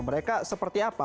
mereka seperti apa